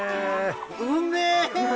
うめえ！